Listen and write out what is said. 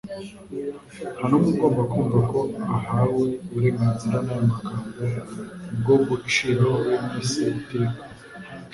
Nta n'umwe ugomba kumva ko ahawe uburenganzira n'aya magambo bwo guciraho bene se iteka.